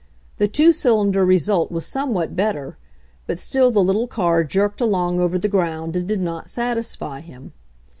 The two cylinder result was somewhat better, but still the little car jerked along over the ground and did not satisfy him.